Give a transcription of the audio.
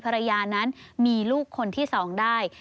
ภรรยานั้นมีลูกคนที่๒ได้